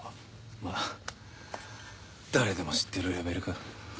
まぁ誰でも知ってるレベルか。